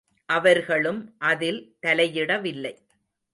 அவர்களும் அதில் தலையிடவில்லை.